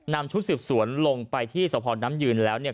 ชุดสืบสวนลงไปที่สพน้ำยืนแล้วเนี่ย